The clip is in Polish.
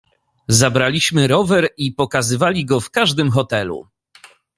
"Zabraliśmy rower i pokazywali go w każdym hotelu."